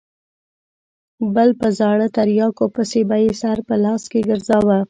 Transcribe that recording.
بل په زاړه تریاکو پسې به یې سر په لاس کې ګرځاوه.